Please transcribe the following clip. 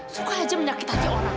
suka aja menyakitkan orang